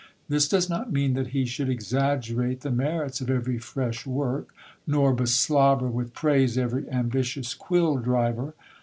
This does not mean that he should exaggerate the merits of every fresh work, nor beslobber with praise every ambitious quill driver.